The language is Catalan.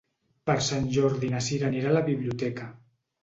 Per Sant Jordi na Sira anirà a la biblioteca.